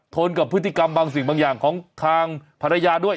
ทนกับพฤติกรรมบางสิ่งบางอย่างของทางภรรยาด้วย